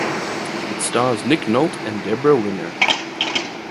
It stars Nick Nolte and Debra Winger.